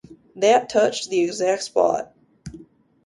That touched the exact spot.